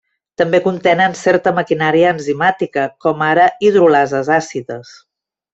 També contenen certa maquinària enzimàtica, com ara hidrolases àcides.